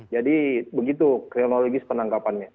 jadi begitu kronologis penangkapannya